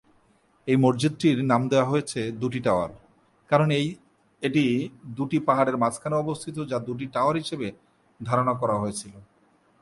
এই মসজিদটির নাম দেওয়া হয়েছে "দুটি টাওয়ার" কারণ এটি দুটি পাহাড়ের মাঝখানে অবস্থিত যা দুটি টাওয়ার হিসাবে ধারণা করা হয়েছিল।